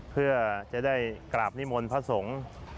เพื่อจะได้กราบนิมนต์พระสงฆ์